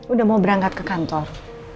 udah mau berangkat ke kantor